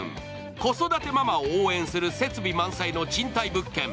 子育てママを応援する設備満載の賃貸物件。